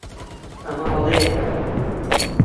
ئەمە هەڵەیەکە.